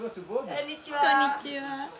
こんにちは。